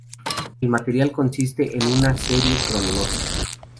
El material consiste en una serie cronológica.